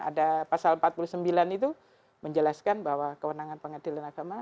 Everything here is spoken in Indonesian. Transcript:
ada pasal empat puluh sembilan itu menjelaskan bahwa kewenangan pengadilan agama